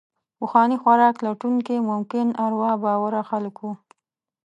پخواني خوراک لټونکي ممکن اروا باوره خلک وو.